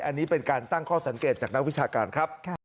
อันนี้เป็นการตั้งข้อสังเกตจากนักวิชาการครับ